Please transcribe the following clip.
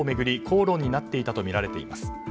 口論になっていたとみられています。